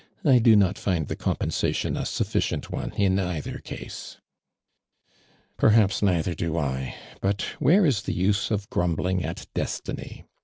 •• I do not find the compensation a sufficient one in either case." " Perhaps neither do I, but where is the use of grumbling at destiny?